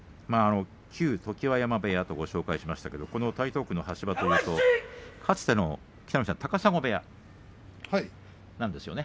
旧常盤山部屋とご紹介しましたが台東区橋場というとかつての高砂部屋なんですよね。